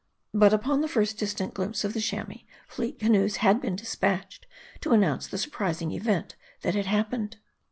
But upon the first distant glimpse of the Chamois, fleet canoes had been dispatched to announce the surprising event that had happened.